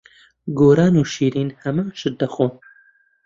گۆران و شیرین هەمان شت دەخۆن.